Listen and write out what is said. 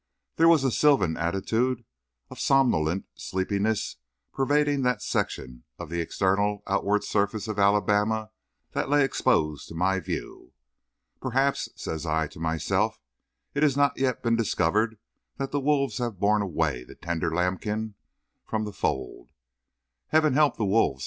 There was a sylvan attitude of somnolent sleepiness pervading that section of the external outward surface of Alabama that lay exposed to my view. "Perhaps," says I to myself, "it has not yet been discovered that the wolves have borne away the tender lambkin from the fold. Heaven help the wolves!"